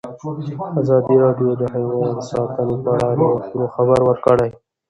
ازادي راډیو د حیوان ساتنه په اړه د نوښتونو خبر ورکړی.